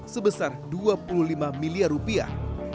sebesar dua puluh lima miliar rupiah